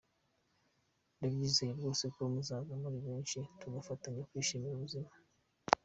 Ndabyizeye rwose ko muzaza muri benshi tugafatanya kwishimira ubuzima.